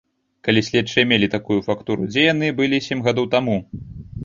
Калі следчыя мелі такую фактуру, дзе яны былі сем гадоў таму?